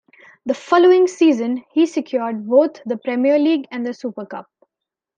The following season, he secured both the Premier League and the Super Cup.